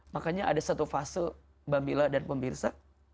makanya ada satu fase mbak mila dan pemirsa